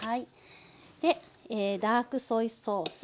でダークソイソース。